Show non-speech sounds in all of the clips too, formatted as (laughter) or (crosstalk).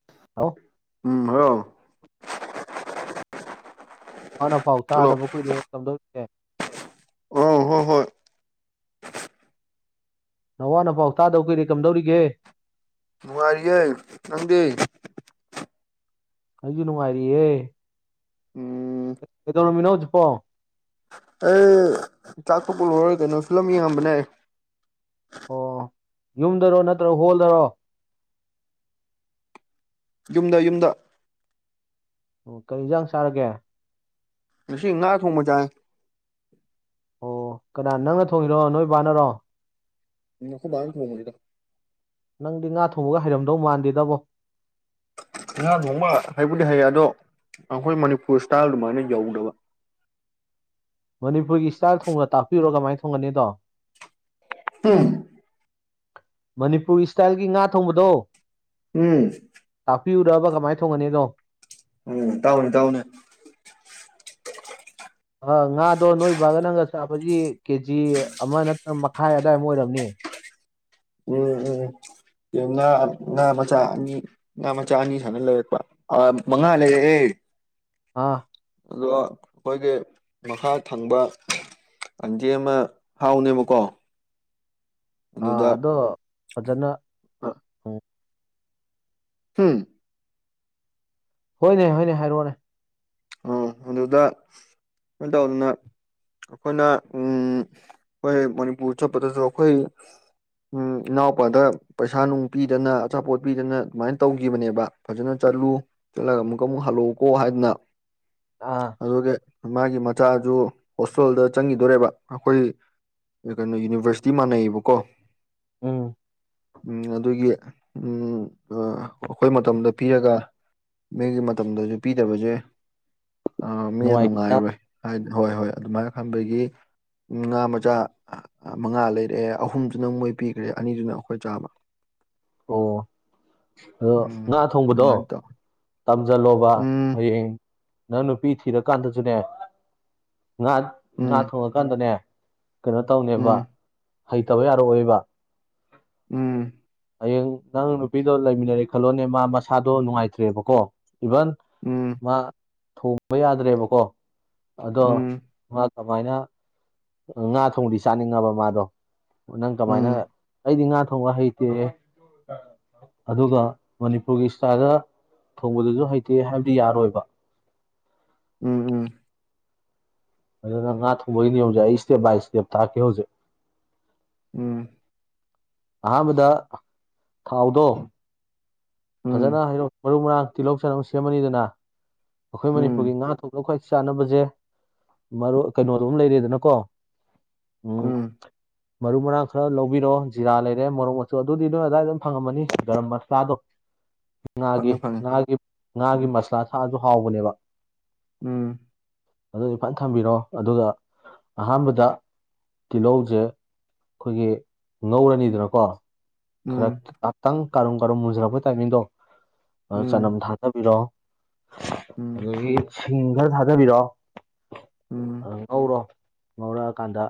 ꯑ (inaudible) ꯍꯥꯎ ꯎꯝ ꯍꯜꯂꯣ ꯅꯋꯥ ꯅꯄꯥꯎ ꯍꯜꯂꯣ ꯇꯥꯗꯕ ꯀꯨꯏꯔꯦ ꯀꯝꯗꯧꯔꯤꯒ‌ꯦ ꯑꯣ ꯍꯣ ꯍꯣꯏ ꯅꯋꯥ ꯅꯄꯥꯎ ꯇꯥꯗ ꯀꯨꯏꯔ‌ꯦ ꯀꯝꯗꯧꯔꯤꯒꯦ ꯅꯨꯡꯉꯥꯏꯔꯤꯌꯦ ꯅꯪꯗꯤ ꯑꯩꯖꯨ ꯅꯨꯡꯉꯥꯏꯔꯤꯌꯦ ꯎꯝ ꯀꯩꯗꯧꯔꯝꯃꯤꯅꫭ ꯍꯧꯖꯤꯛꯄꫭ ꯑꯩ ꯆꯥꯛꯇꯣꯛꯄ ꯂꯣꯏꯔ ꯀꯩꯅꯣ ꯐꯤꯂꯝ ꯌꯦꯉꯝꯕꯅꯦ ꯑꯣ ꯌꯨꯝꯗꯔꯣ ꯅꯠꯇ꯭ꯔꯣ ꯍꯣꯜꯗꯔꯣ ꯌꯨꯝꯗ ꯌꯨꯝꯗ ꯑꯣ ꯀꯔꯤ ꯏꯟꯖꯥꯡ ꯆꯥꯔꯒꯦ ꯉꯁꯤ ꯉꯥ ꯊꯣꯡꯕ ꯆꯥꯏ ꯑꯣ ꯀꯅꯥ ꯅꯪꯅ ꯊꯣꯡꯉꯤꯔꯣ ꯅꯣꯏ ꯕꯥꯅꯔꯣ ꯎꯝ ꯑꯈꯣꯏ ꯕꯥꯅ ꯊꯣꯡꯕꯅꯤꯗ ꯅꯪꯗꯤ ꯉꯥ ꯊꯣꯡꯕꯒ ꯍꯩꯔꯝꯗꯧ ꯃꯥꯟꯗꯦꯗꯕꯣ ꯉꯥ ꯊꯣꯡꯕ ꯍꯩꯕꯨꯗꯤ ꯍꯩ ꯑꯗꯣ ꯑꯩꯈꯣꯏ ꯃꯅꯤꯄꯨꯔ ꯏꯁꯇꯥꯏꯜ ꯑꯗꯨꯃꯥꯏꯅ ꯌꯧꯗꯕ ꯃꯅꯤꯄꯨꯔꯒꯤ ꯏꯁꯇꯥꯏꯜ ꯊꯣꯡꯅ ꯇꯥꯛꯄꯤꯔꯣ ꯀꯃꯥꯏ ꯊꯣꯡꯒꯅꯤꯗꯣ ꯎꯝ ꯃꯅꯤꯄꯨꯔ ꯏꯁꯇꯥꯏꯜꯒꯤ ꯉꯥ ꯊꯣꯡꯕꯗꯣ ꯎꯝ ꯇꯥꯛꯄꯤꯌꯨꯔꯕ ꯀꯃꯥꯏ ꯊꯣꯡꯒꯅ‌ꯦꯗꫭ ꯎꯝ ꯇꯥꯛꯎꯅꯦ ꯇꯥꯛꯎꯅꯦ ꯑ ꯉꯥꯗꯣ ꯅꯣꯏꯕꯥꯒ ꯅꯪꯒ ꯆꯥꯕꯒꯤ ꯀꯦꯖꯤ ꯑꯃ ꯅꯠꯇ꯭ꯔ ꯃꯈꯥꯏ ꯑꯗꯥꯏꯃꯨꯛ ꯑꯣꯏꯔꯝꯅꯤ ꯎꯝ ꯎꯝ ꯌꯨꯉꯥ ꯉꯥ ꯃꯆꯥ ꯑꯅꯤ ꯉꯥ ꯃꯆꯥ ꯑꯅꯤ ꯁꯥꯟꯅ ꯂꯩꯔꯛꯄ ꯑ ꯃꯉꯥ ꯂꯩꯔꯛꯑꯦ ꯑꯥ ꯑꯗꯣ ꯈꯣꯏꯒꯤ ꯃꯈꯥ ꯊꯪꯕ ꯑꯟꯇꯤ ꯑꯃ ꯍꯥꯎꯅꯦꯕꯀꯣ ꯑ ꯑꯗꯨꯗ ꯑꯗꯣ ꯐꯖꯅ ꯍꯨꯝ ꯍꯣꯏꯅꯦ ꯍꯣꯏꯅꯦ ꯍꯥꯏꯔꯛꯑꯣꯅꯦ ꯎꯝ ꯑꯗꯨꯗ ꯀꯩꯅꯣ ꯇꯧꯗꯅ ꯑꯩꯈꯣꯏꯅ ꯎꯝ ꯑꯩꯈꯣꯏ ꯃꯅꯤꯄꯨꯔ ꯆꯠꯄꯗꯁꯨ ꯑꯩꯈꯣꯏ ꯎꯝ ꯏꯅꯥꯎꯄꯥꯗ ꯄꯩꯁꯥ ꯅꯨꯡ ꯄꯤꯗꯅ ꯑꯆꯥꯄꯣꯠ ꯄꯤꯗꯅ ꯑꯗꯨꯃꯥꯏ ꯇꯧꯒꯤꯕꯅꯦꯕ ꯐꯖꯅ ꯆꯠꯂꯨ ꯆꯠꯂꯒ ꯑꯃꯨꯛꯀ ꯑꯃꯨꯛ ꯍꯜꯂꯛꯎꯀꯣ ꯍꯥꯏꯗꯅ ꯑꯥ ꯑꯗꯨꯒꯤ ꯃꯥꯒꯤ ꯃꯆꯥꯖꯨ ꯍꯣꯁꯇꯦꯜꯗ ꯆꯪꯒꯤꯗꯣꯔꯦꯕ ꯑꯩꯈꯣꯏ ꯀꯩꯅꯣ ꯌꯨꯅꯤꯕ꯭ꯔꯁꯤꯇꯤ ꯃꯥꯟꯅꯩꯑꯩꯕꯀꯣ ꯎꯝ ꯎꯝ ꯑꯗꯨꯒꯤ ꯎꯝ ꯑ ꯑꯩꯈꯣꯏ ꯃꯇꯝꯗ ꯄꯤꯔꯒ ꯃꯤꯒꯤ ꯃꯇꯝꯗꯖꯨ ꯄꯤꯗꯕꯖꯦ ꯑ ꯃꯤꯅ ꯅꯨꯡꯉꯥꯏꯇ ꯅꯨꯡꯉꯥꯏꯔꯣꯏ ꯍꯥꯏ ꯍꯣꯏ ꯍꯣꯏ ꯑꯗꯨꯃꯥꯏꯅ ꯈꯟꯕꯒꯤ ꯉꯥ ꯃꯆꯥ ꯉꯥ ꯃꯉꯥ ꯂꯩꯔꯛꯑꯦ ꯑꯍꯨꯝꯗꯨꯅ ꯃꯣꯏ ꯄꯤꯈ꯭ꯔꯦ ꯑꯅꯤꯗꯨꯅ ꯑꯩꯈꯣꯏ ꯆꯥꯕ ꯑꯣ ꯑꯗꯣ ꯎꯝ ꯉꯥ ꯊꯣꯡꯕꯗꯣ ꯑꯗꯨꯃꯥꯏꯅ ꯇꯧ ꯇꯝꯖꯜꯂꯣꯕ ꯎꯝ ꯍꯌꯦꯡ ꯅꯪ ꯅꯨꯄꯤ ꯊꯤꯔꯀꯥꯟꯗꯁꯨꯅꯦ ꯉꯥ ꯉꯥ ꯎꯝ ꯊꯣꯡꯉꯀꯥꯟꯗꯅꯦ ꯀꯩꯅꯣ ꯇꯧꯅꯦꯕ ꯎꯝ ꯍꯩꯇꯕ ꯌꯥꯔꯛꯑꯣꯏꯕ ꯎꯝ ꯍꯌꯦꯡ ꯅꯪ ꯅꯨꯄꯤꯗꯣ ꯂꯩꯃꯤꯟꯅꯔꯦ ꯈꯜꯂꯣꯅꯦ ꯃꯥ ꯃꯁꯥꯗꯣ ꯅꯨꯡꯉꯥꯏꯇ꯭ꯔꯦꯕꯀꯣ ꯏꯚꯟ ꯎꯝ ꯃꯥ ꯊꯣꯡꯕ ꯌꯥꯗ꯭ꯔꯦꯕꯀꯣ ꯑꯗꯣ ꯎꯝ ꯃꯥ ꯀꯃꯥꯏꯅ ꯉꯥ ꯊꯣꯡꯗꯤ ꯆꯥꯅꯤꯡꯉꯕ ꯃꯥꯗꯣ ꯅꯪ ꯀꯃꯥꯏꯅ ꯎꯝ ꯑꯩꯗꯤ ꯉꯥ ꯊꯣꯡꯕ ꯍꯩꯇꯦ ꯑꯗꯨꯒ ꯃꯅꯤꯄꯨꯔꯒꯤ ꯏꯁꯇꯥꯏꯜꯗ ꯊꯣꯡꯕꯗꯨꯁꯨ ꯍꯩꯇꯦ ꯍꯥꯏꯕꯗꯤ ꯌꯥꯔꯣꯏꯕ ꯎꯝ ꯎꯝ ꯑꯗꯨꯅ ꯉꯥ ꯊꯣꯡꯕꯒꯤ ꯅꯌꯣꯝꯖꯦ ꯑꯩ ꯏꯁꯇꯦꯞ ꯕꯥꯏ ꯏꯁꯇꯦꯞ ꯇꯥꯛꯀꯦ ꯍꯧꯖꯤꯛ ꯎꯝ ꯑꯍꯥꯟꯕꯗ ꯊꯥꯎꯗꯣ ꯐꯖꯅ ꯎꯝ ꯍꯩꯔꯣ ꯃꯔꯨ ꯃꯔꯥꯡ ꯇꯤꯜꯍꯧ ꯆꯅꯝ ꯁꯦꯝꯃꯅꯤꯗꯅ ꯑꯩꯈꯣꯏ ꯃꯅꯤꯄꯨꯔꯒꯤ ꯎꯝ ꯉꯥ ꯊꯣꯛꯕ ꯈ꯭ꯋꯥꯏ ꯆꯥꯅꯕꯁꯦ ꯃꯔꯣꯏ ꯀꯩꯅꯣꯗꯣꯃ ꯂꯩꯔꯦꯗꯅꯀꯣ ꯎꯝ ꯃꯔꯨ ꯃꯔꯥꯡ ꯈꯔ ꯂꯧꯕꯤꯔꯣ ꯖꯤꯔꯥ ꯂꯩꯔꯦ ꯃꯣꯔꯣꯛ ꯃꯆꯨ ꯑꯗꯨꯗꯤ ꯅꯣꯏ ꯑꯗꯥꯏꯗ ꯑꯗꯨꯝ ꯐꯪꯉꯝꯃꯅꯤ ꯒꯔꯝ ꯃꯁꯂꯥꯗꯣ (inaudible) ꯉꯥꯒꯤ ꯐꯪꯉꯦ ꯐꯪꯉꯦ ꯉꯥꯒꯤ ꯉꯥꯒꯤ ꯎꯝ ꯃꯁꯂꯥ ꯊꯥꯛꯑꯁꯨ ꯍꯥꯎꯕꯅꯦꯕ꯫ ꯎꯝ ꯑꯗꯨꯗꯤ ꯐꯅ ꯊꯝꯕꯤꯔꯣ ꯑꯗꯨꯒ ꯑꯍꯥꯟꯕꯗ ꯇꯤꯜꯍꯧꯁꯦ ꯈꯣꯏꯒꯤ ꯉꯧꯔꯅꯤꯗꯅꯀꯣ ꯈꯔ ꯎꯝ ꯇꯥꯇꯪ ꯀꯔꯨꯝ ꯀꯔꯨꯝ ꯃꯨꯖꯔꯛꯄ ꯇꯥꯏꯃꯤꯡꯗꯣ ꯑꯗ ꯎꯝ ꯆꯅꯝ ꯊꯥꯗꯕꯤꯔꫭ꯫ ꯎꯝ ꯎꯝ ꯑꯗꯒꯤ ꯁꯤꯡ ꯈꯔ ꯊꯥꯗꯕꯤꯔꯛꯑꯣ꯫ ꯑ ꯎꯝ ꯉꯧꯔꯣ ꯉꯧꯔꯛꯑꯀꯥꯟꯗ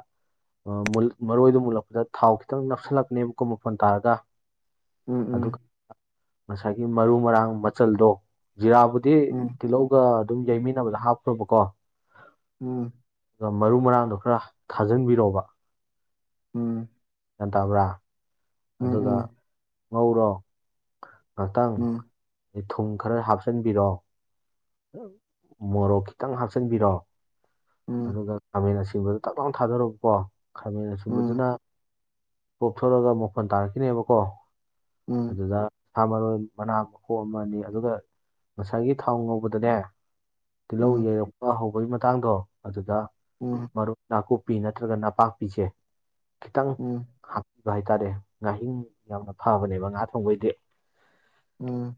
ꯑ ꯃꯨꯜ ꯃꯔꯣꯏꯗꯣ ꯃꯨꯠꯂꯛꯄꯗ ꯊꯥꯎ ꯈꯤꯇꯪ ꯅꯛꯁꯤꯜꯂꯛꯅꯦꯕ ꯃꯈꫭꯟ ꯀꯥꯔꯒ ꯎꯝ ꯑꯗꯨꯒ ꯎꯝ ꯉꯁꯥꯏꯒꯤ ꯃꯔꯨ ꯃꯔꯥꯡ ꯃꯆꯜꯗꯣ ꯖꯤꯔꯥꯕꯨꯗꯤ ꯎꯝ ꯎꯝ ꯎꯝ ꯇꯤꯜꯍꯧ ꯒ ꯑꯗꯨꯝ ꯌꯩꯃꯤꯟꯅꯕꯗ ꯍꯥꯞꯈ꯭ꯔꯣꯕꯀꯣ꯫ ꯎꯝ꯫ ꯒ ꯃꯔꯨ ꯃꯔꯥꯡꯗꯣ ꯈꯔ ꯊꯥꯖꯟꯕꯤꯔꫭꯕ꯫ ꯎꯝ꯫ ꯅꯠꯇꯕ꯭ꯔꯥ꯫ ꯑꯗꯨꯒ ꯎꯝ ꯎꯝ ꯉꯧꯔꯣ ꯉꯍꯥꯛꯇꯪ꯫ ꯗꯩ ꯊꯨꯝ ꯈꯔ ꯍꯥꯞꯆꯟꯕꯤꯔꯣ꯫ ꯃꯣꯔꯣꯛ ꯈꯤꯇꯪ ꯍꯥꯞꯆꯟꯕꯤꯔꯣ꯫ ꯑꯗꯨꯒ ꯈꯥꯃꯦꯟ ꯑꯁꯤꯟꯕꯗꫭ ꯇꯛ ꯂꯥꯎꯅ ꯊꯥꯗꯔꫭꯕꯀꯣ ꯈꯥꯃꯦꯟ ꯑꯁꯤꯟꯕꯗꯨꯅ ꯀꯣꯛꯊꯣꯔꯛꯒ ꯃꯈꫭꯟ ꯇꯥꯔꯛꯈꯤꯅꯦꯕꯀꯣ꯫ ꯎꯝ꯫ ꯗꯨꯗ ꯁꯥ ꯃꯔꯣꯏ ꯃꯅꯥ ꯃꯈꯣꯛꯑꯃꯅꯤ ꯑꯗꯨꯒ ꯉꯁꯥꯏꯒꯤ ꯊꯥꯎ ꯉꯧꯕꯗꯅꯦ ꯇꯤꯜꯍꯧ ꯎꯝ ꯌꯩꯔꯛꯄ ꯍꯧꯕꯒꯤ ꯃꯇꯥꯡꯗꯣ ꯑꯗꯨꯗ ꯎꯝ꯫ ꯃꯔꯨꯞ ꯅꯥꯀꯨꯞꯄꯤ ꯅꯠꯇ꯭ꯔꯒ ꯅꯄꯥꯛꯄꯤꯁꯦ ꯈꯤꯇꯪ ꯍꯥꯞ ꯑꯗꯨ ꯍꯥꯏꯇꯥꯔꯦ ꯉꯥꯍꯤꯡ ꯌꯥꯝꯅ ꯐꯕꯅꯦꯕ ꯉꯥ ꯊꯣꯡꯕꯩꯗꯤ꯫ ꯎꯝ꯫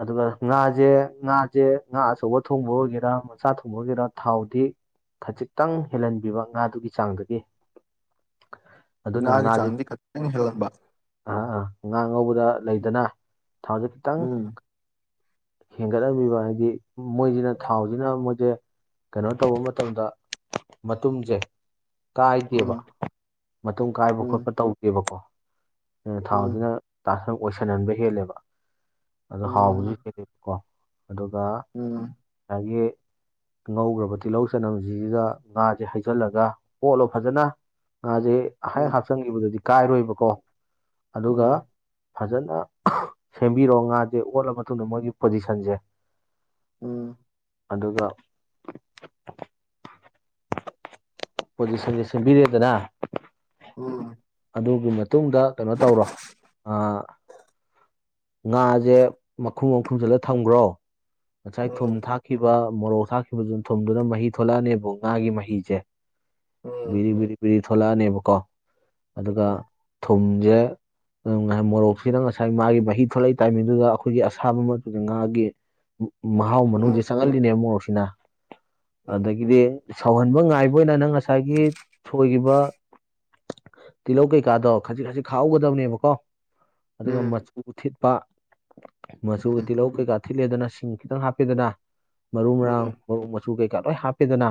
ꯑꯗꯨꯒ ꯉꯥꯁꯦ ꯉꯥꯁꯦ ꯉꯥ ꯑꯆꯧꯕ ꯊꯣꯡꯕ ꯑꯣꯏꯒꯦꯔꯥ ꯃꯆꯥ ꯊꯣꯡꯕ ꯑꯣꯏꯒꯦꯔꯥ ꯊꯥꯎꯗꯤ ꯈꯖꯤꯛꯇꯪ ꯍꯦꯜꯍꯟꯕꯤꯕ ꯉꯥꯗꯨꯒꯤ ꯆꯥꯡꯗꯒꯤ꯫ ꯑꯗꯨꯅ (inaudible) ꯑ ꯑ ꯉꯥ ꯉꯧꯕꯗ ꯂꯩꯗꯅ ꯊꯥꯎꯁꯦ ꯈꯤꯇꯪ ꯎꯝ ꯍꯦꯟꯒꯠꯂꯝꯕꯤꯕ ꯍꯥꯏꯗꯤ ꯃꯣꯏꯁꯤꯅ ꯊꯥꯎꯁꯤꯅ ꯃꯣꯏꯁꯦ ꯀꯩꯅꯣ ꯇꯧꯕ ꯃꯇꯝꯗ ꯃꯇꯨꯝꯁꯦ ꯀꯥꯏꯗꯦꯕ ꯎꯝ ꯃꯇꯨꯡ ꯀꯥꯏꯕ ꯎꯝ ꯈꯣꯠꯄ ꯇꯧꯗꯦꯕꯀꯣ ꯎꯝ ꯊꯥꯎꯁꯤꯅ ꯇꯥꯁꯟ ꯑꯣꯏꯁꯟꯍꯟꯕ ꯍꯦꯜꯂꯦꯕ ꯑꯗꯨꯣ ꯍꯥꯎꯕꯁꯨ ꯍꯦꯜꯂꯦꯕꯀꯣ ꯑꯗꯨꯒ ꯎꯝ꯫ ꯑꯒꯤ ꯉꯧꯈ꯭ꯔꯕ ꯇꯤꯜꯍꯧ ꯆꯅꯝꯁꯤꯗ ꯉꯥꯁꯦ ꯍꯩꯖꯜꯂꯒ ꯑꯣꯠꯂꯣ ꯐꯖꯅ꯫ ꯉꯥꯁꯦ ꯑꯍꯩ ꯍꯥꯞꯆꯤꯟꯈꯤꯕꯗꯨꯡꯗꯤ ꯀꯥꯏꯔꯣꯏꯕꯀꯣ ꯑꯗꯨꯒ ꯐꯖꯅ ꯁꯦꯝꯕꯤꯔꯣ ꯉꯥꯁꯦ ꯑꯣꯠꯂ ꯃꯇꯨꯡꯗ ꯃꯣꯏꯒꯤ ꯄꯣꯖꯤꯁꯟꯁꯦ꯫ ꯑꯗꯨꯒ ꯄꫭꯖꯤꯁꯟꯁꯦ ꯁꯦꯝꯕꯤꯔꯦꯗꯅ ꯎꯝ꯫ ꯑꯗꯨꯒꯤ ꯃꯇꯨꯡꯗ ꯀꯩꯅꯣ ꯇꯧꯔꯣ ꯑ ꯉꯥꯁꯦ ꯃꯈꯨꯝ ꯑꯝ ꯈꯨꯝꯖꯤꯜꯂ ꯊꯝꯈ꯭ꯔꯣ꯫ ꯉꯁꯥꯏ ꯊꯨꯝ ꯊꯥꯛꯈꯤꯕ ꯃꯣꯔꯣꯛ ꯊꯥꯛꯈꯤꯕꯗꯨꯅ ꯊꯨꯝꯗꯨꯅ ꯃꯍꯤ ꯊꯣꯛꯣꯂꯛꯑꯅꯤꯕ ꯉꯥꯒꯤ ꯃꯍꯤꯁꯦ꯫ ꯕꯤꯔꯤ ꯕꯤꯔꯤ ꯕꯤꯔꯤ ꯊꯣꯜꯂꯛꯑꯅꯤꯕ ꯀꫭ꯫ ꯑꯗꯨꯒ ꯊꯨꯝꯁꯦ ꯉꯥꯍꯥꯏ ꯃꯣꯔꯣꯛꯁꯤꯅ ꯉꯁꯥꯏ ꯃꯥꯒꯤ ꯃꯍꯤ ꯊꯣꯛꯂꯛꯏ ꯇꯥꯏꯃꯤꯡꯗꯨꯗ ꯑꯩꯈꯣꯏꯒꯤ ꯑꯁꯥꯕ ꯃꯇꯨꯗ ꯉꯥꯒꯤ ꯃꯍꯥꯎ ꯃꯅꯨꯡꯁꯦ ꯆꯪꯍꯜꯂꯤꯅꯦ ꯃꯣꯔꯣꯛꯁꯤꯅ ꯑꯗꯒꯤꯗꯤ ꯁꯥꯎꯍꯟꯕ ꯉꯥꯏꯕ ꯑꯣꯏꯅ ꯅꯪ ꯉꯁꯥꯏꯒꯤ ꯊꯣꯏꯈꯤꯕ ꯇꯤꯜꯍꯧ ꯀꯩꯀꯥꯗꯣ ꯈꯖꯤꯛ ꯈꯖꯤꯛ ꯈꯥꯎꯍꯧꯒꯗꯕꯅꯦꯕꯀꯣ ꯑꯗꯨꯒ ꯎ ꯊꯤꯠꯄ ꯃꯆꯨꯒ ꯇꯤꯜꯍꯧ ꯀꯩꯀꯥ ꯊꯤꯠꯂꯦꯗꯅ ꯁꯤꯡ ꯈꯤꯇꯪ ꯍꯥꯞꯄꯤꯦꯗꯅ ꯃꯔꯨ ꯃꯔꯥꯡ ꯃꯔꯨ ꯃꯆꯨ ꯀꯩꯀꯥ ꯂꯣꯏ ꯍꯥꯞꯄꯤꯦꯗꯅ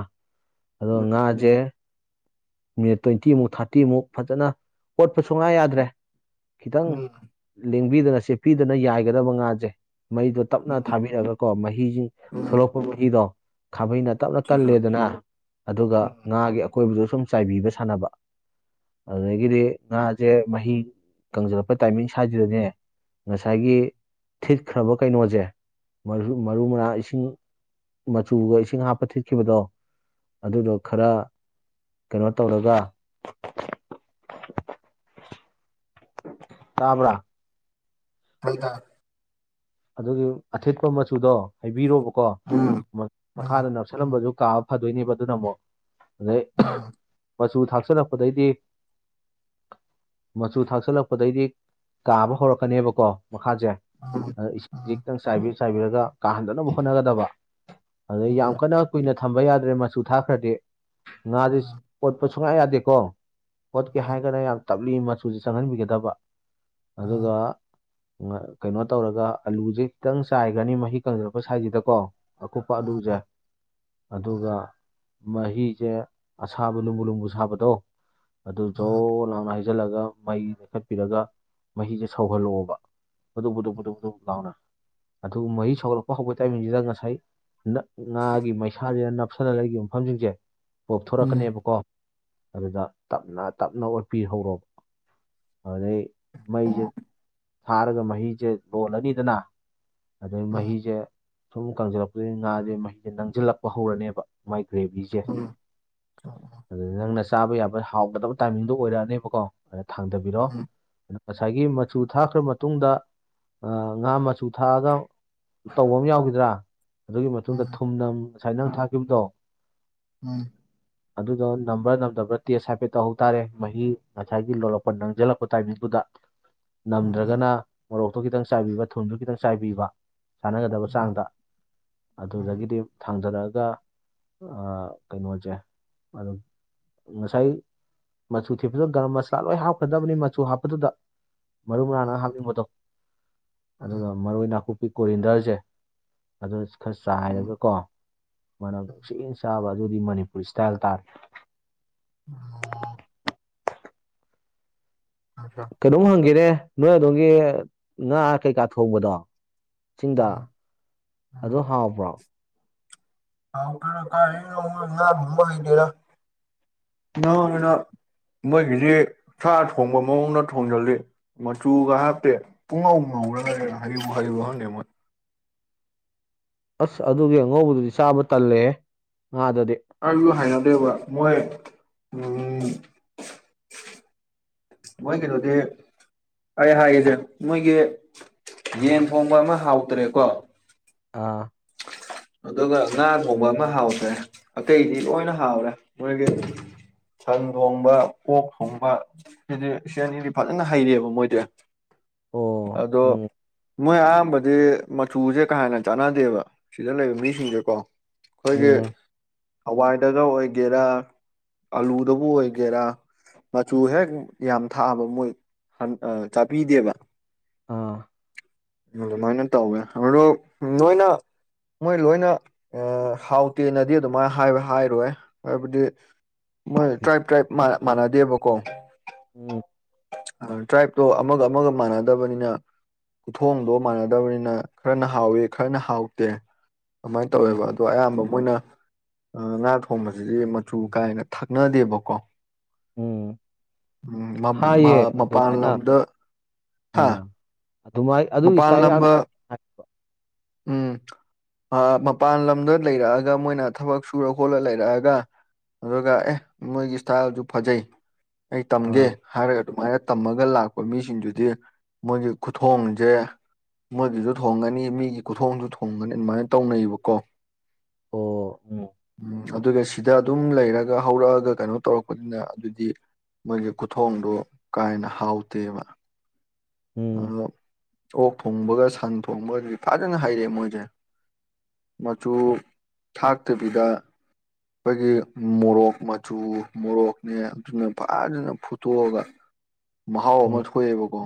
ꯑꯗꯨꯒ ꯉꯥꯁꯦ ꯃꯤꯅꯤꯠ ꯇ꯭ꯋꯦꯟꯇꯤꯃꯨꯛ ꯊꯥꯔꯇꯤꯃꯨꯛ ꯐꯖꯅ ꯑꯣꯠꯄ ꯁꯨꯡꯉꯥꯏ ꯌꯥꯗ꯭ꯔꯦ ꯈꯤꯇꯪ ꯂꯦꯡꯕꯤꯗꯅ ꯁꯦꯠꯄꯤꯗꯅ ꯌꯥꯏꯒꯗꯕ ꯉꯥꯁꯦ ꯃꯩꯗꯣ ꯇꯞꯅ ꯊꯥꯕꯤꯔꯒ ꯀꯣ ꯃꯍꯤꯁꯤꯡ ꯊꯂꯛꯄ ꯃꯍꯤꯗꯣ ꯈꯥꯕꯩꯩꯅ ꯇꯞꯅ ꯀꯜꯂꯦꯗꯅ ꯑꯗꯨꯒ ꯉꯥꯒꯤ ꯑꯀꯣꯏꯕꯗ ꯁꯨꯝ ꯆꯥꯏꯕꯤꯕ ꯁꯥꯟꯅꯕ ꯑꯗꯨꯗꯒꯤꯗꯤ ꯉꯥꯁꯦ ꯃꯍꯤ ꯀꯪꯁꯤꯜꯂꯛꯄ ꯇꯥꯏꯃꯤꯡ ꯁꯥꯖꯗꯅꯦ ꯉꯁꯥꯏꯒꯤ ꯊꯤꯠꯈ꯭ꯔꯕ ꯀꯩꯅꯣꯁꯦ ꯃꯔꯨ ꯃꯔꯥꯡ ꯏꯁꯤꯡ ꯃꯆꯨꯒ ꯏꯁꯤꯡ ꯍꯥꯞꯄ ꯊꯤꯠꯈꯤꯕꯗꯣ ꯑꯗꯨꯗꯣ ꯈꯔ ꯀꯩꯅꯣ ꯇꯧꯔꯒ ꯇꯥꯕ꯭ꯔ ꯍꯜꯗ ꯑꯗꯨꯒꯤ ꯑꯊꯦꯠꯄ ꯃꯆꯨꯗꯣ ꯍꯥꯏꯕꯤꯔꯣꯕꯀꯣ ꯃꯈꯥꯗ ꯅꯞꯁꯤꯜꯂꯝꯕꯗꯨ ꯀꯥꯕ ꯐꯗꯣꯏꯅꯦꯕ ꯑꯗꯨꯅ ꯑꯃꯨꯛ ꯑꯗꯩ ꯃꯆꯨ ꯊꯥꯛꯆꯜꯂꯛꯄꯗꯩꯗꯤ ꯃꯆꯨ ꯊꯥꯛꯆꯜꯂꯛꯄꯗꯒꯤꯩꯗꯤ ꯀꯥꯕ ꯍꯧꯔꯛꯀꯅꯦꯕꯀꯣ ꯃꯈꯥꯁꯦ ꯑ ꯏꯁꯤꯡꯁꯤ ꯈꯤꯛꯇꯪ ꯆꯥꯏꯕꯤꯔ ꯆꯥꯏꯕꯤꯔꯒ ꯀꯥꯍꯟꯗꯅꯕ ꯍꯣꯠꯅꯒꯗꯕ ꯑꯗꯩ ꯌꯥꯝ ꯀꯟꯅ ꯀꯨꯏꯅ ꯊꯝꯕ ꯌꯥꯗ꯭ꯔꯦ ꯃꯆꯨ ꯊꯥꯈ꯭ꯔꯗꯤ ꯉꯥꯁꯦ ꯑꯣꯣꯠꯄ ꯁꯨꯡꯌꯥ ꯌꯥꯗꯦꯀꯣ ꯍꯣꯠꯀꯦ ꯍꯥꯏꯔꯒꯗꯅ ꯌꯥꯝ ꯇꯞꯂꯤ ꯃꯆꯨꯁꯦ ꯆꯪꯍꯟꯕꯤꯒꯗꯕ ꯑꯗꯨꯒ ꯀꯩꯅꯣ ꯇꯧꯔꯒ ꯑꯂꯨꯁꯦ ꯈꯤꯇꯪ ꯆꯥꯏꯈ꯭ꯔꯅꯤ ꯃꯍꯤ ꯀꯪꯁꯤꯜꯂꯛꯄ ꯁꯥꯏꯁꯤꯗꯀꯣ ꯑꯀꯨꯞꯄ ꯑꯗꯨꯖꯦ ꯑꯗꯨꯒ ꯃꯍꯤꯁꯦ ꯑꯁꯥꯕ ꯂꯨꯝꯕꯨ ꯂꯅꯨꯡꯕꯨ ꯁꯥꯕꯗꯣ ꯑꯗꯨ ꯖꯣ ꯂꯥꯡꯅ ꯍꯥꯏ ꯆꯟꯖꯤꯜꯂꯒ ꯃꯩ ꯂꯩꯦꯛꯈꯠꯄꯤꯔꯒ ꯃꯍꯤꯁꯦ ꯁꯧꯍꯜꯂꯛꯑꯣꯕ ꯑꯗꯨꯕꯨꯗꯨꯕꯨ ꯂꯥꯎꯅ ꯑꯗꯨ ꯃꯩ ꯁꯧꯒꯠꯂꯛꯄ ꯍꯧꯧꯕ ꯇꯥꯏꯃꯤꯡꯁꯤꯗ ꯉꯁꯥꯏ ꯉꯥꯒꯤ ꯃꯩꯁꯥꯁꯤꯅ ꯅꯞꯁꯅ ꯂꯩꯈꯤꯕ ꯃꯐꯝꯁꯤꯡꯁꯦ ꯄꯣꯞꯊꯣꯔꯛꯀꯅꯦꯕꯀꯣ ꯑꯗꯨꯗ ꯇꯞꯅ ꯇꯞꯅ ꯑꯣꯠꯄꯤꯍꯧꯣꯔꯕ ꯑꯗꯨꯗꯩ ꯃꯩꯁꯦ ꯊꯥꯔꯒ ꯃꯍꯤꯁꯦ ꯂꯣꯜꯂꯅꯤꯗꯅ ꯑꯗꯩ ꯃꯍꯤꯁꯦ ꯁꯨꯝ ꯀꯪꯁꯤꯜꯂꯛꯄꯁꯤꯗꯒꯤ ꯉꯥꯁꯦ ꯃꯍꯤꯁꯦ ꯅꯪꯁꯤꯜꯂꯛꯄ ꯍꯧꯔꯅꯦꯕ ꯃꯥꯏꯒ꯭ꯔꯦꯕꯤꯁꯦ ꯑꯗꯨ ꯅꯪꯅ ꯆꯥꯕ ꯌꯥꯕ ꯍꯥꯎꯒꯗꯕ ꯇꯥꯏꯃꯤꯡꯗꯨꯣ ꯑꯣꯏꯔꯛꯑꯅꯦꯕꯀꯣ ꯑꯗꯨꯅ ꯊꯥꯡꯊꯕꯤꯔꯣ ꯑꯗꯨ ꯉꯁꯥꯏꯒꯤ ꯃꯆꯨ ꯊꯥꯈ꯭ꯔ ꯃꯇꯨꯡꯗ ꯉꯥ ꯃꯆꯨ ꯊꯥꯛꯑꯒ ꯇꯧꯕ ꯑꯃ ꯌꯥꯎꯈꯤꯗ꯭ꯔꯥ ꯑꯗꯨꯒꯤ ꯃꯇꯨꯡꯗ ꯊꯨꯝꯅꯝ ꯉꯁꯥꯏ ꯅꯪ ꯊꯥꯈꯤꯕꯗꯣ ꯎꯝ (unintelligible) ꯑꯗꯨꯗꯣ ꯅꯝꯕ꯭ꯔꯥ ꯅꯝꯗꯕ꯭ꯔꯥ ꯇꯦꯁ ꯍꯥꯏꯐꯦꯠꯇ ꯇꯧꯍꯧ ꯇꯥꯔꯦ ꯃꯍꯤ ꯉꯁꯥꯏꯒꯤ ꯂꯣꯜꯂꯛꯄ ꯅꯪꯁꯤꯜꯂꯛꯄ ꯇꯥꯏꯃꯤꯡꯗꯨꯗ ꯅꯝꯗ꯭ꯔꯒꯅ ꯃꯣꯔꯣꯛꯇꯨ ꯈꯤꯇꯪ ꯆꯥꯏꯕꯤꯕ ꯊꯨꯝꯁꯨ ꯈꯤꯇꯪ ꯆꯥꯏꯕꯤꯕ ꯁꯥꯟꯅꯒꯗꯕ ꯆꯥꯡꯗ ꯑꯗꯨꯗꯒꯤꯗꯤ ꯊꯥꯡꯖꯔꯛꯑꯒ ꯀꯩꯅꯣꯁꯦ ꯑꯗꯨꯝ ꯉꯁꯥꯏ ꯃꯆꯨ ꯊꯤꯄꯗ ꯒꯔꯝ ꯃꯁꯥꯂꯥ ꯂꯣꯏ ꯍꯥꯞꯀꯗꯕꯅꯤ ꯃꯆꯨ ꯍꯥꯞꯄꯗꯨꯗ ꯃꯔꯨ ꯃꯔꯥꯡꯅ ꯍꯥꯞꯅꯤꯡꯕꯗꯣ ꯑꯗꯨꯒ ꯃꯔꯣꯏ ꯅꯥꯀꯨꯞꯄꯤ ꯀꯣꯔꯤꯟꯗꯔꯁꯦ ꯑꯗꯨ ꯈꯔ ꯆꯥꯏꯔꯒꯀꯣ ꯃꯅꯝ ꯛꯁꯤꯅ ꯆꯥꯕ ꯑꯗꯨꯗꯤ ꯃꯅꯤꯄꯨꯔꯤ ꯏꯁꯇꯥꯏꯜ ꯇꯥꯔꯦ ꯎ ꯑ ꯍ ꯀꯩꯅꯣꯝ ꯍꯪꯈꯦꯅꯦ ꯅꯣꯏ ꯑꯗꯣꯝꯒꯤ ꯉꯥ ꯀꯩꯀꯥ ꯊꯣꯡꯕꯗꯣ ꯆꯤꯡꯗ ꯑꯗꯨ ꯍꯥꯎꯕ꯭ꯔꯣ ꯍꯥꯎꯇꯅ ꯀ ꯔꯝꯕ ꯍꯥꯏꯇꯔꯅ (inaudible) ꯃꯣꯏꯒꯤꯗꯤ ꯁꯥ ꯊꯣꯡꯕ ꯃꯑꯣꯡꯗ ꯊꯣꯡꯖꯤꯜꯂꯤ ꯃꯆꯨꯒ ꯍꯥꯞꯇꯦ ꯄꯨꯡꯉꯧ ꯉꯧꯔꯒ ꯍꯩꯕꯨ ꯍꯩꯕ꯭ꯔ ꯈꯪꯗꯦ ꯃꯣꯏ ꯑꯁ ꯑꯗꯨꯒꯤ ꯑꯉꯧꯕꯗꯨꯗꯤ ꯆꯥꯕ ꯇꯜꯂꯦ ꯉꯥꯗꯗꯤ ꯑꯩꯁꯨ ꯍꯥꯏꯅꯗꯦꯕ ꯃꯣꯏ ꯎ ꯃꯣꯏ ꯀꯩꯅꯣꯗꯤ ꯑꯩ ꯍꯥꯏꯒꯁꯦ ꯃꯣꯏꯒꯤ ꯌꯦꯟ ꯊꯣꯡꯕ ꯑꯃ ꯍꯥꯎꯇ꯭ꯔꯦꯀꯣ ꯑꯥ ꯑꯗꯨꯒ ꯉꯥ ꯊꯣꯡꯕ ꯑꯃ ꯍꯥꯎꯇ꯭ꯔꯦ ꯑꯇꯩꯗꯤ ꯂꯣꯏꯅ ꯍꯥꯎꯔꯦ ꯃꯣꯏꯒꯤ ꯁꯟ ꯊꯣꯡꯕ ꯑꯣꯛ ꯊꯣꯡꯕ ꯁꯤꯗꯤ ꯁꯤ ꯑꯅꯤꯗꯤ ꯐꯖꯅ ꯍꯩꯔꯦꯕ ꯃꯣꯏꯗꯤ ꯑꯣ ꯑꯗꯣ ꯎꯝ ꯃꯣꯏ ꯑꯌꯥꯝꯕꯗꯤ ꯃꯆꯨꯁꯦ ꯀꯥ ꯍꯦꯟꯅ ꯆꯥꯟꯅꯗꯦꯕ ꯁꯤꯗ ꯂꯩꯕ ꯃꯤꯁꯤꯡꯁꯦꯀꯣ ꯑꯩꯈꯣꯏꯒꯤ ꯎꯝ ꯍꯋꯥꯏꯗꯒ ꯑꯣꯏꯒꯦꯔꯥ ꯑꯂꯨꯗꯕꯨ ꯑꯣꯏꯒꯦꯔꯥ ꯃꯆꯨ ꯍꯦꯛ ꯌꯥꯝ ꯊꯥꯛꯑꯕ ꯃꯣꯏ ꯆꯥꯄꯤꯗꯦꯕ ꯑꯥ ꯑꯗꯨꯃꯥꯏꯅ ꯇꯧꯋꯦ ꯑꯗꯣ ꯅꯣꯏꯅ ꯃꯣꯏ ꯂꯣꯏꯅ ꯍꯥꯎꯇꯦꯅꯗꯤ ꯑꯗꯨꯃꯥꯏꯅ ꯍꯥꯏꯕ ꯍꯥꯏꯔꯣꯏ ꯍꯥꯏꯕꯗꯤ ꯃꯣꯏ ꯇ꯭ꯔꯥꯏꯞ ꯇ꯭ꯔꯥꯏꯞ ꯃꯥꯟꯅꯗꯦꯕꯀꯣ ꯎꯝ ꯇ꯭ꯔꯥꯏꯞꯇꯣ ꯑꯃꯒ ꯑꯃꯒ ꯃꯥꯟꯅꯗꯕꯅꯤꯅ ꯈꯨꯊꯣꯡꯗꯣ ꯃꯥꯟꯅꯗꯕꯅꯤꯅ ꯈꯔꯅ ꯍꯥꯎꯋꯤ ꯈꯔꯅ ꯍꯥꯎꯇꯦ ꯑꯗꯨꯃꯥꯏꯅ ꯎꯝ ꯇꯧꯋꯦꯕ ꯑ ꯑꯣ ꯑꯌꯥꯝꯕ ꯃꯣꯏꯅ ꯉꯥ ꯊꯣꯡꯕꯁꯤꯗꯤ ꯃꯆꯨ ꯀꯥ ꯍꯦꯟꯅ ꯊꯛꯅꯗꯦꯕꯀꯣ ꯎꯝ ꯍꯥꯏꯌꯦ ꯃꯄꯥꯟ ꯑꯗꯨꯃꯥꯏꯅ ꯂꯝꯗ ꯍꯥ ꯑꯥ ꯑꯗꯨꯃꯥꯏ ꯑꯗꯨꯒꯤ ꯃꯄꯥꯟ ꯏꯁꯇꯥꯏꯜ ꯌꯥꯝ ꯂꯝꯗ ꯊꯨ ꯍꯥꯏꯕ ꯎꯝ ꯃꯄꯥꯟ ꯂꯝꯗ ꯂꯩꯔꯛꯑꯒ ꯃꯣꯏꯅ ꯊꯕꯛ ꯁꯨꯔ ꯈꯣꯠꯂ ꯂꯩꯔꯛꯑꯒ ꯑꯗꯨꯒ ꯑꯦ ꯃꯣꯏꯒꯤ ꯏꯁꯇꯥꯏꯜꯗꯨ ꯐꯖꯩ ꯑꯩ ꯇꯝꯒꯦ ꯑꯥ ꯍꯥꯏꯔꯒ ꯑꯗꯨꯃꯥꯏꯅ ꯇꯝꯃꯒ ꯂꯥꯛꯄ ꯃꯤꯁꯤꯡꯗꯨꯗꯤ ꯃꯣꯏꯒꯤ ꯈꯨꯊꯣꯡ ꯁꯦ ꯃꯣꯏꯗꯨꯁꯨ ꯊꯣꯡꯒꯅꯤ ꯃꯤꯒꯤ ꯈꯨꯊꯣꯡꯁꯨ ꯊꯣꯡꯒꯅꯤ ꯑꯗꯨꯃꯥꯏꯅ ꯇꯧꯅꯩꯑꯦꯕꯀꯣ ꯑꯣ ꯎꯝ ꯎꯝ ꯑꯗꯨꯒ ꯁꯤꯗ ꯑꯗꯨꯝ ꯂꯩꯔꯒ ꯍꯧꯔꯛꯑꯒ ꯀꯩꯅꯣ ꯇꯧꯔꯛꯄꯅꯤꯅ ꯑꯗꯨꯗꯤ ꯃꯣꯏꯒꯤ ꯈꯨꯊꯣꯡꯗꯨ ꯀꯥ ꯍꯦꯟꯅ ꯍꯥꯎꯇꯦꯕ ꯑ ꯎꯝ ꯑꯣꯛ ꯊꯣꯡꯕꯒ ꯁꯟ ꯊꯣꯡꯕꯒꯗꯤ ꯐꯖꯅ ꯍꯩꯔꯦꯑꯦ ꯃꯣꯏꯁꯦ ꯃꯆꯨ ꯎꯝ ꯊꯥꯛꯇꯕꯤꯗ ꯑꯩꯈꯣꯏꯒꯤ ꯃꯣꯔꯣꯛ ꯃꯆꯨ ꯃꯣꯔꯣꯛꯅꯦ ꯑꯗꯨꯅ ꯐꯖꯅ ꯐꯨꯠꯇꯣꯛꯑꯒ ꯃꯍꯥꯎ ꯑꯃ ꯎꯝ ꯊꯣꯛꯑꯦꯕꯀꯣ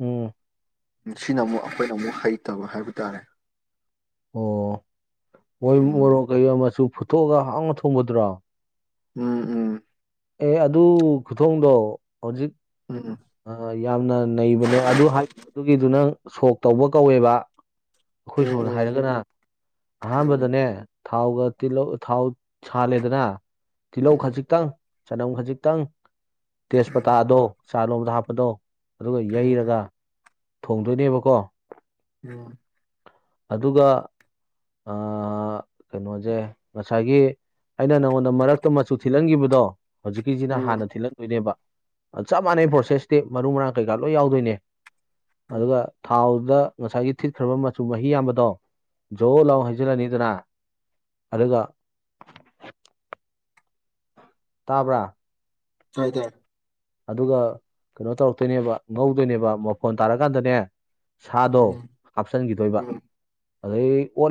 ꯎꯝ ꯁꯤꯅ ꯑꯃꯨꯛ ꯑꯩꯈꯣꯏꯅ ꯑꯃꯨꯛ ꯍꯩꯇꯕ ꯍꯥꯏꯕ ꯇꯥꯔꯦ ꯑꯣ ꯃꯣꯏ ꯎꯝ ꯃꯣꯔꯣꯛ ꯀꯩ ꯃꯆꯨ ꯐꯨꯠꯇꯣꯛꯑꯒ ꯍꯥꯎꯅ ꯊꯣꯡꯕꯗꯨꯔꯣ ꯎꯝ ꯎꯝ ꯑꯦ ꯑꯗꯨ ꯈꯨꯊꯣꯡꯗꯣ ꯍꯧꯖꯤꯛ ꯎꯝ ꯎꯝ ꯌꯥꯝꯅ ꯅꯩꯕꯅꯦ ꯑꯗꯨ ꯍꯥꯏꯗꯨꯒꯤꯗꯨ ꯅꯪ ꯁꯣꯛ ꯇꯧꯕ ꯀꯧꯋꯦꯕ ꯑꯩꯈꯣꯏ ꯎꯝ ꯁꯣꯝꯗ ꯎꯝ ꯍꯥꯏꯔꯒꯅ ꯎꯝ ꯑꯍꯥꯟꯕꯗꯅꯦ ꯊꯥꯎꯒ ꯇꯤꯜꯍꯧ ꯊꯥꯎ ꯁꯥꯜꯂꯦꯗꯅ ꯇꯤꯜꯍꯧ ꯎꯝ ꯎꯝ ꯎꯝ ꯈꯖꯤꯛꯇꯪ ꯆꯅꯝ ꯈꯖꯤꯛꯇꯪ ꯇꯦꯖꯄꯇꯥꯗꯣ ꯆꯥ ꯂꯣꯟꯗ ꯍꯥꯞꯄꯗꯣ ꯑꯗꯨꯒ ꯌꯩꯔꯒ ꯊꯣꯡꯗꯣꯏꯅꯦꯕꯀꯣ ꯑꯝ ꯑꯗꯨꯒ ꯑ ꯀꯩꯅꯣꯁꯦ ꯉꯁꯥꯏꯒꯤ ꯑꯩꯅ ꯅꯪꯉꯣꯟꯗ ꯃꯔꯛꯇ ꯃꯆꯨ ꯊꯤꯜꯍꯟꯈꯤꯕꯗꯣ ꯍꯧꯖꯤꯛꯀꯤꯁꯤꯅ ꯎꯝ ꯍꯥꯟꯅ ꯊꯤꯜꯍꯟꯗꯣꯏꯅꯦꯕ ꯑꯥ ꯆꯞ ꯃꯥꯟꯅꯩ ꯄ꯭ꯔꯣꯁꯦꯁꯇꯤ ꯃꯔꯨ ꯃꯔꯥꯡ ꯀꯩꯀꯥ ꯂꯣꯏ ꯌꯥꯎꯗꯣꯏꯅꯦ ꯎꯝ ꯑꯗꯨꯒ ꯊꯥꯎꯗꯨꯗ ꯉꯁꯥꯏꯒꯤ ꯊꯤꯠꯈ꯭ꯔꯕ ꯃꯆꯨ ꯃꯍꯤ ꯌꯥꯝꯕꯗꯣ ꯖꯣ ꯂꯥꯎ ꯍꯩꯖꯤꯜꯂꯅꯤꯗꯅ ꯑꯗꯨꯒ ꯇꯥꯕ꯭ꯔꯥ ꯇꯥꯏ ꯇꯥꯏ ꯑꯗꯨꯒ ꯀꯩꯅꯣ ꯇꯧꯔꯛꯇꯣꯏꯅꯦꯕ ꯉꯧꯗꯣꯏꯅꯦꯕ ꯃꯐꯣꯟ ꯇꯥꯔꯀꯥꯟꯗꯅꯦ ꯁꯥꯗꯣ ꯎꯝ ꯍꯥꯞꯆꯟꯈꯤꯗꯣꯏꯕ ꯎꯝ ꯑꯗꯩ ꯑꯣꯜ